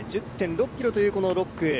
１０．６ｋｍという６区。